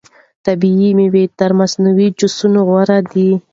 طبیعي مېوې تر مصنوعي جوسونو غوره دي.